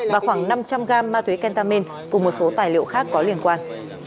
và khoảng năm trăm linh gram ma túy kentamin cùng một số tài liệu khác có liên quan